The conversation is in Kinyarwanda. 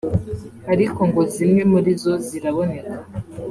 ariko ngo zimwe muri zo ziraboneka